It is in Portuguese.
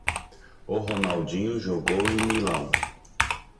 O Ronaldinho jogou em Milão.